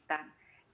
kita bukan negara